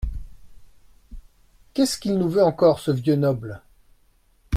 Qu’est-ce qu’il nous veut encore, ce vieux noble ?